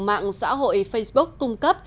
mạng xã hội facebook cung cấp